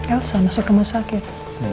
elsa masuk rumah sakit